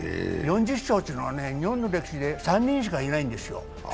４０勝というのは日本の歴史で３人しかいないんですよ。